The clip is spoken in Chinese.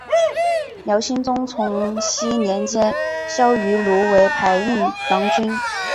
辽兴宗重熙年间萧迂鲁为牌印郎君。